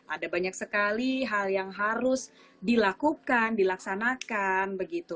ada banyak sekali hal yang harus dilakukan dilaksanakan begitu